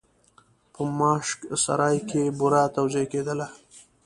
په ماشک سرای کې بوره توزېع کېدله.